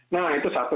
nah itu satu